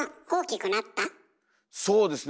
そうですね